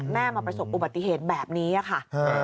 มาประสบอุบัติเหตุแบบนี้ค่ะ